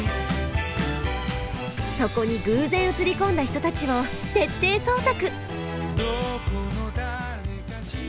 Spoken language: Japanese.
そこに偶然映り込んだ人たちを徹底捜索！